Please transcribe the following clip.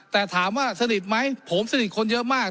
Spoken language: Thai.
แต่ถามว่าสนิทไหมผมสนิทคนเยอะมาก